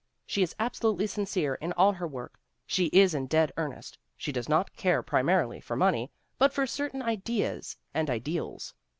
She is absolutely sincere in all her work, she is in dead earnest, she does not care primarily for money, but for certain ideas and ideals.